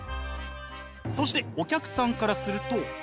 そしてお客さんからすると。